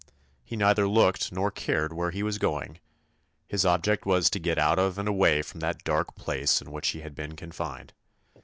He neither looked nor cared where he was going; his object was to get out of and away from that dark place in which he had been confined.